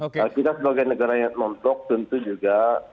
kita sebagai negara yang memproks tentu juga